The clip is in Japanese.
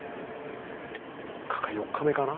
３日か４日目かな。